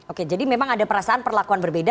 oke jadi memang ada perasaan perlakuan berbeda